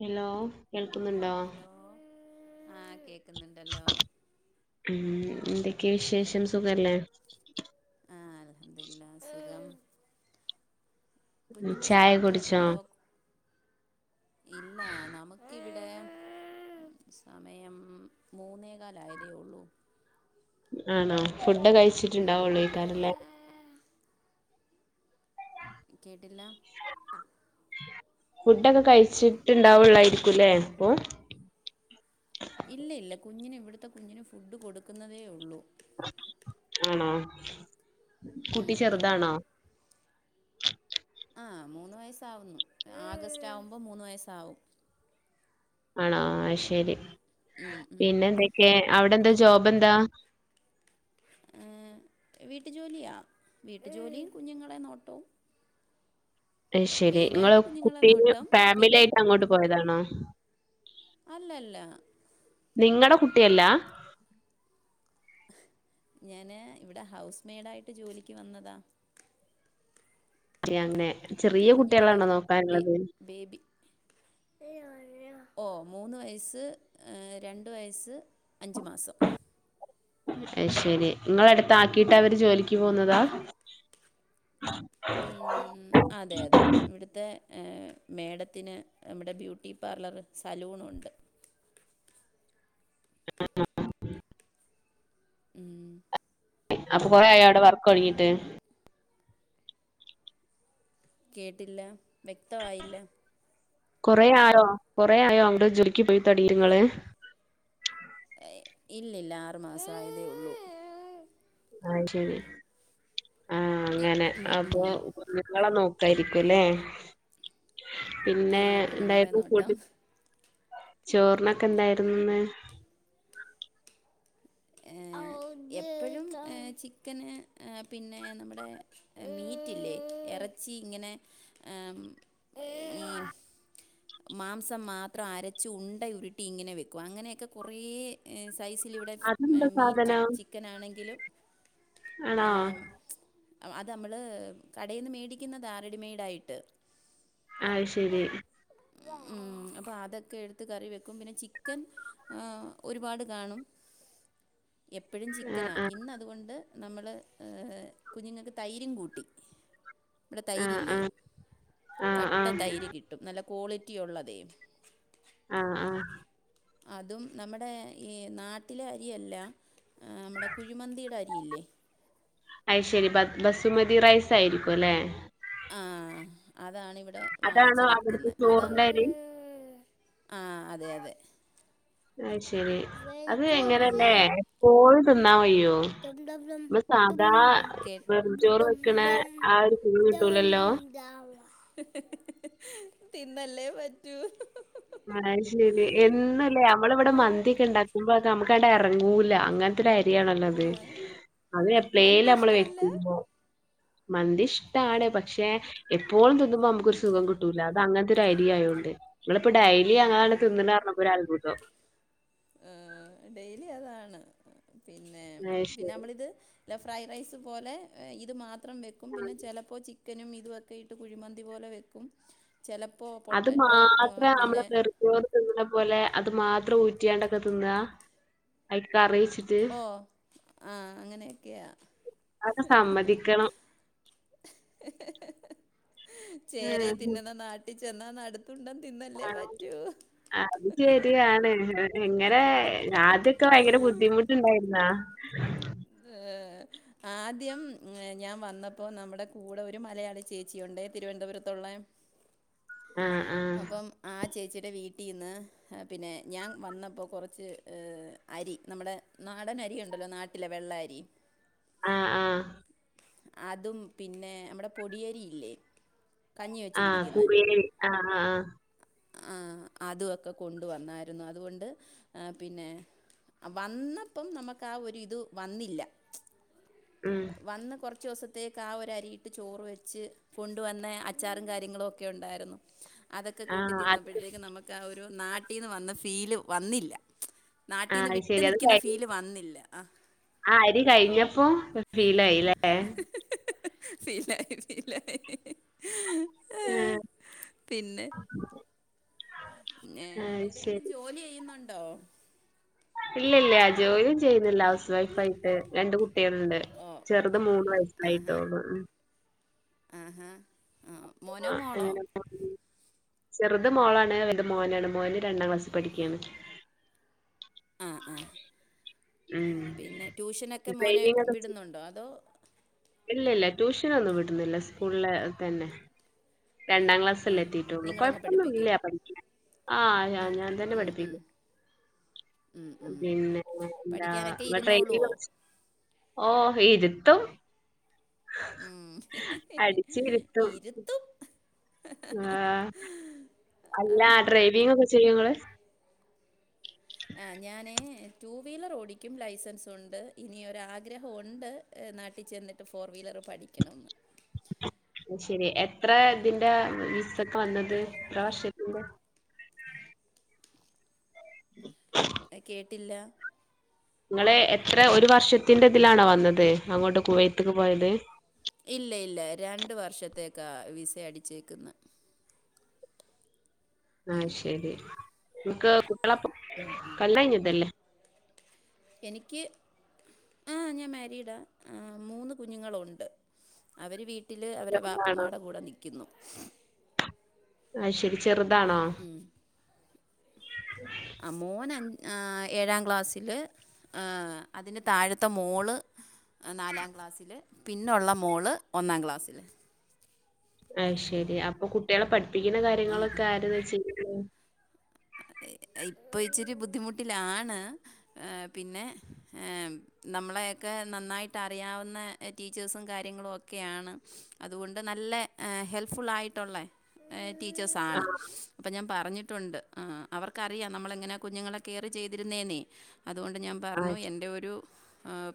Hello കേൾക്കുന്നുണ്ടോ ഓ ആഹ് കേക്കുന്നുണ്ടല്ലോ ഉം എന്തൊക്കെ വിശേഷം സുഖല്ലേ ആഹ് അൽഹുദുല്ലാ സുഖം ഉം കുഞ്ഞിന്റെ ചായ സൗണ്ട് കുടിച്ചോ കേട്ടല്ലോ ഇല്ല നമുക്കിവിടെ സമയം മൂന്നേകാലായതേ ഉള്ളൂ ആണോ ഫുഡ് ഉം കഴിച്ചിട്ടുണ്ടാവുള്ളോ ഈക്കാരല്ലേ കേട്ടില്ല ഫുഡൊക്കെ കഴിച്ചിട്ട് ഇണ്ടാവുള്ളായിരിക്കുംല്ലേ ഇപ്പൊ ഇല്ല ഇല്ല കുഞ്ഞിന് ഇവിടുത്തെ കുഞ്ഞിന് ഫുഡ് കൊടുക്കുന്നതേ ഉള്ളൂ ആണോ ഉം കുട്ടി ഉം ചെറുതാണോ ആഹ് മൂന്ന് വയസ്സാവുന്നു ആഗസ്റ്റ് ആവുമ്പോ മൂന്ന് വയസ്സാവും ആണോ അയ്ശരി ഉം ഉം പിന്നെ എന്തൊക്കെ അവിടെ എന്താ ജോബ് എന്താ എ് ഹ് വീട്ടുജോലിയാ വീട്ടു ജോലീം കുഞ്ഞുങ്ങളെ നോട്ടോം അയ് ശരി ഇങ്ങള് മെയിനായിട്ട് കുഞ്ഞുങ്ങളെ കുട്ടീനെ നോട്ടം ഫാമിലി പിന്നെ ആയിട്ട് അങ്ങോട്ട് പോയതാണോ അല്ലല്ല നിങ്ങടെ കുട്ടി അല്ലാ എഹ് ഞാന് ഇവിടെ ഹൗസ് മെയ്ഡ് ആയിട്ട് ജോലിക്ക് വന്നതാ [unintelligible] അങ്ങനെ ചെറിയ കുഞ്ഞുങ്ങളെ കുട്ടികളാണോ ബേ നോക്കാന്ള്ളത് ബേബി ഓ മൂന്ന് വയസ്സ് എ രണ്ട് വയസ്സ് അഞ്ച് മാസം അയ്ശരി ങ്ങളെ അടുത്ത് ആക്കിട്ട് അവര് ജോലിക്ക് പോവുന്നതാ [inaudible] ഉം അതെ അതെ ഇവിടുത്തെ എ മേടത്തിന് മ്മടെ ബ്യൂട്ടി പാർളറ് സലൂണുണ്ട് ഉം അപ്പൊ കൊറേ ആയവിടെ വർക്കൊടങ്ങീട്ട് കേട്ടില്ല വ്യക്തവായില്ല കൊറേ ആറോ കൊറേ ആയോ [unintelligible] ജോലിക്ക് പോയി തൊടങ്ങിങ്ങള് എ ഇല്ല ഇല്ല ആറു മാസം ആയതേ ഉള്ളൂ [unintelligible] ആ അങ്ങനെ ഉം, അപ്പൊ ഉം. [unintelligible] നോക്കായിരിക്കും ല്ലേ ആ പിന്നെ കുഞ്ഞുങ്ങളെ [unintelligible] ഫുഡ് നോട്ടം ചോറിനൊക്കെ എന്തായിരുന്നുന്ന് എ എപ്പഴും ഏ ചിക്കന് എ പിന്നെ നമ്മുടെ മീറ്റില്ലേ എറച്ചി ഇങ്ങനെ എ ഉം [unintelligible] മാംസം മാത്രം അരച്ചു ഉണ്ട ഉരുട്ടി ഇങ്ങനെ വെക്കും അങ്ങനെയൊക്കെ കൊറേ സൈസ്ൽ [unintelligible] [unintelligible] അതെന്താ മീറ്റ് സാധനം ചിക്കനാണെങ്കിലും ആണോ എ ഉം അത് മ്മള് കടേന്ന് മേടിക്കുന്നതാ റെഡിമൈടായിട്ട് അയ്ശരി ഉം അപ്പൊ അതൊക്കെ എടുത്ത് കറി വെക്കും പിന്നെ ചിക്കൻ എ ഒരുപാട് കാണും എപ്പഴും ആഹ് ചിക്കനാ ആഹ് ഇന്ന് അതുകൊണ്ട് നമ്മള് എ കുഞ്ഞുങ്ങൾക്ക് തൈരും കൂട്ടി [unintelligible] ആഹ് തൈരില്ലേ ആഹ് ആഹ് കട്ട ആഹ് തൈര് കിട്ടും നല്ല ക്വാളിറ്റി ഒള്ള [unintelligible] ആ ആ അതും നമ്മടെ ഈ നാട്ടിലെ അരിയല്ല [unintelligible] മ്മടെ കുഴിമന്തിടെ അരി ഇല്ലേ അയ്ശരി [unintelligible] ബസുമതി റൈസ് ആയിരിക്കുല്ലെ ആ അതാണിവിടെ വാങ്ങിച്ചു അതാണോ അവിടുത്തെ വെക്കുന്നെ അതാ ചോറിന്റെ അരി [inaudible] ആ അതെ അതെ അയ്ശെരി അത് എങ്ങനല്ലേ [unintelligible] തിന്നാൻ [unintelligible] [inaudible] നമ്മള് സാധാ വെറുംചോറ് വെക്കണ ആ ഒരു സുഖം കിട്ടൂലല്ലോ തിന്നല്ലേ പറ്റു [unintelligible] എന്നുലെ അമ്മള് ഇവിടെ മന്തിയൊക്കെ ഉണ്ടാക്കുമ്പോക്കെ അമക്കങ്ങടെ എറങ്ങൂല [unintelligible] [unintelligible] അരിയാണല്ലത് അത് എപ്പളെല് മന്തി അമ്മള് ഇഷ്ടമല്ല വെക്കുമ്പോ [unintelligible] [unintelligible] പക്ഷെ എപ്പോഴും തിന്നുമ്പോൾ നമുക്കൊരു സുഖം കിട്ടൂല അത് അങ്ങനത്തൊരു അരിയായൊണ്ട് പ്പൊ ഡെയ്ലി [unintelligible] തിന്ന്ണ് പറഞ്ഞപ്പോ ഒരത്ഭുതം ഉം ഡെയിലി അതാണ് പിന്നെ അത് പിന്നെ ശരി അമ്മളിത് [unintelligible] ഫ്രൈഡ് റൈസ് പോലെ ഇത് മാത്രം വെയ്ക്കും ആ. പിന്നെ ചെലപ്പോ ചിക്കനും ഇതൊക്കെ ഇട്ട് കുഴിമന്തി പോലെ [unintelligible] [unintelligible] ചെലപ്പോ അത് പൊട്ടറ്റോ ഉ മാത്രം പിന്നെ [unintelligible] അത് മാത്രം ഊട്ടിയാണ്ട് ആ തിന്നാ ആയില്ക് [unintelligible] ഓ ആ അങ്ങനെയൊക്കെയാ അത് സമ്മതിക്കണം [inaudible] [unintelligible] [unintelligible] ആ തിന്നല്ലേ ആ. പറ്റൂ അത് ശെരിയാണ് എങ്ങനെ ആദ്യൊക്കെ ഭയങ്കര ബുദ്ധിമുട്ടുണ്ടായിരുന്നാ ഏഹ് ആദ്യം ഏ ഞാൻ വന്നപ്പോ നമ്മുടെ കൂടെ ഒരു മലയാളി ചേച്ചിയുണ്ടേ തിരുവനന്തപുരത്തുള്ളേ. ആഹ് ആഹ്. അപ്പം ആ ചേച്ചിയുടെ വീട്ടിന്ന് പിന്നെ ഞാൻ വന്നപ്പോ കൊറച്ച് ഏ അരി നമ്മുടെ നാടൻ അരി ഉണ്ടല്ലോ നാട്ടിലെ വെള്ള അരി ആഹ് ആഹ്. അതും പിന്നെ നമ്മടെ പൊടിയരിയില്ലേ? ആഹ് കുറി അരി ആ ആ ആ ആഹ്, അത് ഒക്കെ കൊണ്ടുവന്നായിരുന്നു. അതുകൊണ്ട് ആ പിന്നെ അ വന്നപ്പം നമ്മക്ക് ആ ഒരു ഇത് വന്നില്ല. വന്ന് കുറ ച്ചോസത്തേക്ക് ആ ഒരു അരിയിട്ട് ചോറ് വെച്ച് കൊണ്ട് വന്നെ അച്ചാറും കാര്യങ്ങളും ഒക്കെ ഉണ്ടായിരുന്നു. അതൊക്കെ കൂട്ടി ആഹ് അത് തിന്നപ്പോഴത്തേക്കും നമുക്ക് ആ ഒരു നാട്ടീന്ന് വന്ന ഫീല് വന്നില്ല. ആഹ് നാട്ടിന്ന് അത് വിട്ട് ശരി. അത് നിക്ക്ന്ന കഴിഞ്ഞ് ഫീല് വന്നില്ല. ആ ആ അരി കഴിഞ്ഞപ്പോ [unintelligible] ല്ലേ? ഫീലായി ഫീലായി. ആഹ് പിന്നെ ഏഹ്, അത് എന്തെങ്കിലും ശരി. ജോലി ചെയ്യുന്നുണ്ടോ? ഇല്ലില്ല ജോലി ചെയ്യുന്നില്ല. ഹൗസ് വൈഫ് ആയിട്ട് രണ്ട് കുട്ട്യേൾണ്ട് ഓ ഓ ചെറുത് മൂന്ന് ആഹാ വയസ്സായിട്ടോള്ളൂ ഉം ആഹാ! ആ മോനോ [unintelligible] മോളോ എങ്ങനെ [unintelligible] ചെറുത് മോളാണ് വൽത് മോനാണ് മോന് രണ്ടാം ക്ലാസ് പഠിക്ക്യാണ്. ആ ആ പിന്നെ ട്യൂഷനൊക്കെ മോനെ ട്രെയിനിങ്ങൊക്കെ വിടുന്നുണ്ടോ? അതോ ഇല്ല ഇല്ല ട്യൂഷനൊന്നും വിടുന്നില്ല. സ്കൂൾല് തന്നെ രണ്ടാം ഉം. ക്ലാസ്സല്ലേ എത്തിയിട്ടുള്ളൂ. നിങ്ങളങ്ങ് കൊഴപ്പൊന്നു പഠിപ്പിക്കും ഇല്ല പഠിക്കാൻ ആഹ് അ ഉം, ഞാൻ തന്നെ ഉം, ഉം, പഠിപ്പിക്കും. ഉം, ഉം. പിന്നേ എന്താ പഠിക്കാനൊക്കെ വ് ഇരുന്നോളുവോ [unintelligible] ഓഹ് ഇരുത്തും ഉം, ഇരുത്തും. ആഹ്, അല്ല ഡ്രൈവിംഗ് ഒക്കെ ചെയ്യോങ്ങള്? ആഹ് ഞാനേ ടു വീലർ ഓടിക്കും. ലൈസൻസ് ഉണ്ട് ഇനി ഒര് ആഗ്രഹം ഉണ്ട് നാട്ടിൽ ചെന്നിട്ട് ട്ട് ഫോർ വീലർ പഠിക്കണം ന്ന് അത് ശരി എത്ര ഇതിന്റെ വിസ ഒക്കെ വന്നത്? എത്ര വർഷത്തിന്റെ, [inaudible] എ കേട്ടില്ല. നിങ്ങള് എത്ര ഒരു വർഷത്തിന്റെ ഇതിലാണോ വന്നത് അങ്ങോട്ട് കുവൈത്ത്ക്ക് പോയത്? ഇല്ല ഇല്ല രണ്ട് വർഷത്തേക്കാ വിസ അടിച്ചേക്കുന്നെ. ആഹ് ഉം. ശരി ഇങ്ങക്ക് കുട്ടിയളപ്പം കല്യാണം കഴിഞ്ഞതല്ലേ? എനിക്ക് ആഹ് ഞാൻ മാരീഡാ മൂന്ന് കുഞ്ഞുങ്ങളുണ്ട്. അവര് വീട്ടില് അവരെ ചെറുതാണോ വാപ്പുമ്മാടെ കൂടെ നിക്കുന്നു. അയ് ശരി ചെറുതാണോ? [inaudible] ആ മോൻ അ ഏഴാം ക്ലാസ്സില് ആഹ് അതിന് താഴത്തെ മോള് അ നാലാം ക്ലാസ്സില്, പിന്നൊള്ള മോള് ഒന്നാം ക്ലാസ്സില് അയ് ശെരി അപ്പൊ കുട്ടിയളെ പഠിപ്പിക്കണ കാര്യങ്ങളൊക്കെ ആരാ ചെയ്യുന്നെ? അതെ ഇപ്പൊ ഇച്ചിരി ബുദ്ധിമുട്ടിലാണ്. പിന്നെ ഏ നമ്മളെയൊക്കെ നന്നായിട്ട് അറിയാവുന്ന ടീച്ചേഴ്സും കാര്യങ്ങളും ഒക്കെയാണ്. അതുകൊണ്ട് നല്ല ഹെൽപ്ഫുൾ ആയിട്ടുള്ളേ ടീച്ചേഴ്സ് ആണ് ആഹ് അപ്പം ഞാൻ പറഞ്ഞിട്ടുണ്ട് ആഹ് അവർക്കറിയാം നമ്മള് എങ്ങനെയാ കുഞ്ഞുങ്ങളെ കെയറ് ചെയ്തിരുന്നേെന്നേ അതുകൊണ്ട് ഞാൻ ആഹ് പറഞ്ഞു എൻ്റെ ഒരു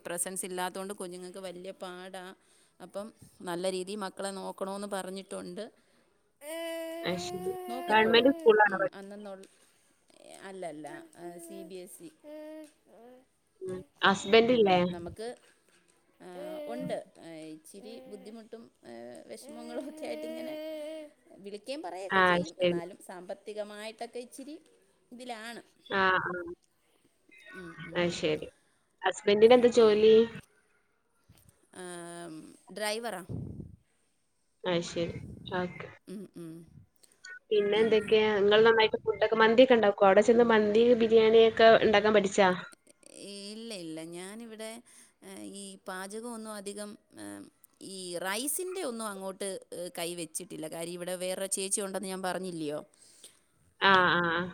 പ്രസൻസ് ഇല്ലാത്ത കൊണ്ട് കുഞ്ഞുങ്ങൾക്ക് വല്യ പാടാ അപ്പം നല്ല രീതി മക്കളെ നോക്കണോന്ന് പറഞ്ഞിട്ടുണ്ട് അത് ശരി. നോക്കിക്കോളും ഗവൺമെന്റ് സ്കൂളിലാണോ ഇന്ന് അന്നന്നൊള് അല്ലല്ല സി ബി എ സി പഠിക്കുന്നത്? ഉം ഹസ്ബൻഡില്ലേ? നമുക്ക് ഏഹ് ഉണ്ട് ഹൈ ഇച്ചിരി ബുദ്ധിമുട്ടും വിഷമങ്ങളും ഒക്കെ ആയിട്ട് ഇങ്ങനെ വിളിക്കുകയും പറയുകയൊക്കെ ആഹ് അത് ചെയ്യും ശരി. എന്നാലും സാമ്പത്തികമായിട്ടൊക്കെ ഇച്ചിരി ഇതിലാണ് ആഹ് ആഹ് ഉം ഉം അയ് ശരി ഹസ്ബന്റിന് എന്താ ജോലി ആഹ് ഡ്രൈവറാ അഹ് ശരി ഓക്കെ ഉം ഉം പിന്നെ എന്തൊക്കെയാ നിങ്ങൾ നന്നായിട്ട് ഫുഡൊക്കെ മന്തി ഒക്കെ ഉണ്ടാക്കോ അവിടെ ചെന്ന് മന്തി ബിരിയാണി ഒക്കെ ഉണ്ടാക്കാൻ പഠിച്ചാ ഇല്ല ഇല്ല ഞാനിവിടെ ഈ പാചകം ഒന്നും അധികം ഏഹ് ഈ റൈസിന്റെ ഒന്നും അങ്ങോട്ട് കൈ വെച്ചിട്ടില്ല കാര്യം ഇവിടെ വേറൊരു ചേച്ചി ഉണ്ടെന്ന് ഞാൻ പറഞ്ഞില്ലിയോ ആഹ് ആഹ് ആഹ്.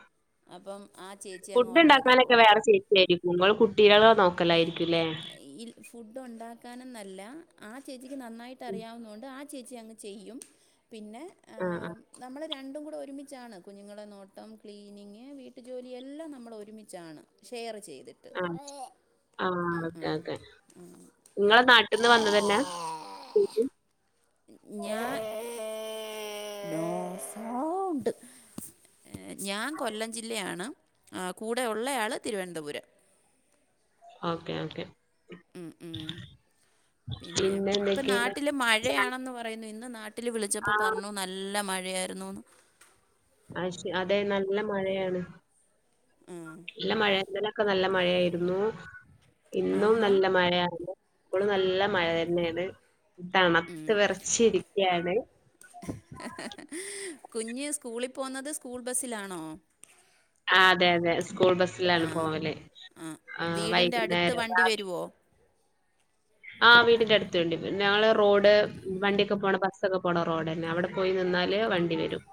അപ്പം ആ ചേച്ചി അങ്ങ് ഉണ്ടാക്കിക്കോളും നെരിക്കുംപോൾ കുട്ടികളെ നോക്കലായിരിക്കുംല്ലേ ഈ ഫുഡ് ഉണ്ടാക്കാനെന്നല്ല ആ ചേച്ചിക്ക് നന്നായിട്ട് അറിയാവുന്ന കൊണ്ട് ആ ചേച്ചി അങ്ങ് ചെയ്യും പിന്നെ ആഹ് ആഹ് നമ്മള് രണ്ടും കൂടെ ഒരുമിച്ചാണ് കുഞ്ഞുങ്ങളെ നോട്ടം ക്ലീനിങ് വീട്ടു ജോലി എല്ലാം നമ്മള് ഒരുമിച്ചാണ് ഷെയർ ചെയ്തിട്ട് ആഹ് ആഹ് ആ ഓക്കെ ഓക്കെ നിങ്ങള് നാട്ടിന്ന് വന്നതന്നാ ശരിക്കും ഞ് ഞാൻ നോ സൗണ്ട് ഞാൻ കൊല്ലം ജില്ലയാണ് കൂടെ ഉള്ളയാള് തിരുവനന്തപുരം ഓക്കെ ഓക്കെ ഉം ഉം പിന്നെ ഇപ്പം നാട്ടില് മഴയാണെന്ന് പറയുന്നു ഇന്ന് നാട്ടില് വിളിച്ചപ്പോ ആഹ് പറഞ്ഞു നല്ല ല്ല മഴയായിരുന്നൂന്ന് അയ്‌ശു അതെ നല്ല മഴയാണ് ഉം നല്ല മഴയാ ഇന്നലെയൊക്കെ നല്ല മഴയായിരുന്നു ഇന്നും ആഹാ നല്ല മഴയാണ് ഇപ്പൊള് നല്ല മഴ തന്നെയാണ് ഉം. തണുത്ത് വിറച്ച് ഇരിക്കയാണ് കുഞ്ഞ് സ്കൂളിൽ പോകുന്നത് സ്കൂൾ ബസ്സിലാണോ ആഹ് അതെ അതെ സ്കൂൾ ബസ്സിലാണ് ആ പോവല്ലേ ആ വീടിൻ്റെ അടുത്ത് വൈകുന്നേരം വണ്ടി രാവില വരുമോ ആഹ് വീടിന്റെ അടുത്ത് വണ്ടി വരും ഞങ്ങളെ റോഡ് വണ്ടിയൊക്കെ പോണ ബസ്സൊക്കെ പോണ റോഡന്നെ അവിടെ പോയി നിന്നാല് വണ്ടി വരും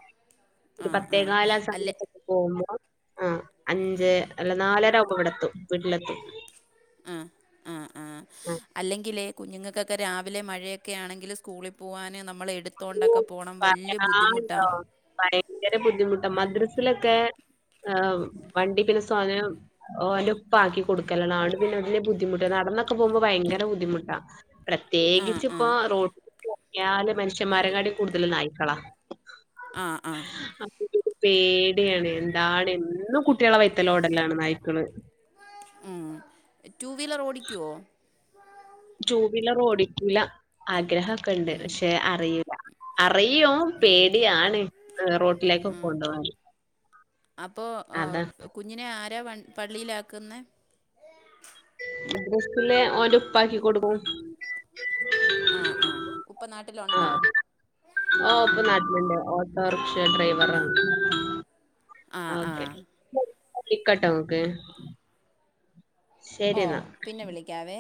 ഒരു ആഹ് ആഹ് പത്തേകാല് ആ അല്ലെ സമയത്തൊക്കെ പോകുമ്പോ ആ അഞ്ച് അല്ല നാലര ആവുമ്പോ ഇവിടെ എത്തും വീട്ടിലെത്തും ആഹ് ആഹ് ആഹ് ഉം. അല്ലെങ്കിലേ കുഞ്ഞുങ്ങൾക്കൊക്കെ രാവിലെ മഴയൊക്കെ ആണെങ്കില് സ്കൂളിൽ പോകാന് നമ്മൾ ഓ എടുത്തോണ്ടൊക്കെ പോണം വല്ല്യ ബുദ്ധിമുട്ടാ പറയാണ്ടോ ഭയങ്കര ബുദ്ധിമുട്ടാ മദ്രസിലൊക്കെ ഏഹ് വണ്ടി പിന്നെ സ്വാധനം ഓന്റാപ്പാക്കി കൊടുക്കലാണ് ആണ്ട് പിന്നെ അതിന്റെ ബുദ്ധിമുട്ട് നടന്നൊക്കെ പോകുമ്പോ ഭയങ്കര ബുദ്ധിമുട്ടാ ആ പ്രത്യേകിച്ച് ആ ഇപ്പം റോട്ടില് ഇറങ്ങിയാല് മനുഷ്യന്മാരെങ്ങാണ്ടിം കൂടുതല് നായിക്കളാ ആ ആ [unintelligible] പേടിയാണ് എന്താണ് എന്നും കുട്ട്യാളെ വൈത്തലോടലാണ് നായ്ക്കള് ആഹ് ടു വീലർ ഓടിക്കുവോ ടൂവിലർ ഓടിക്കൂല ആഗ്രഹൊക്കെ ഉണ്ട് പക്ഷെ അറയൂല അറിയും പേടിയാണ് റോട്ടിലേക്കൊക്കെ കൊണ്ടോവാന് അപ്പോ അതാ കുഞ്ഞിനെ ആരാ പള്ളിയിലാക്ക്ന്ന സ്സില് ഓന്റെ ഉപ്പാക്കി കൊടുക്കും ആഹ് ആഹ് ഉപ്പനാട്ടിലുണ്ടോ ആഹ് ഉപ്പ നാട്ടില്ണ്ട് റിക്ഷ ആ ഡ്രൈവറാണ് ആ ആ ഓക്കെ [unintelligible] ശരി എന്നാ ഓഹ് പിന്നെ വിളിക്കാവേ